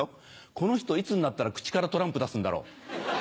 「この人いつになったら口からトランプ出すんだろう？」。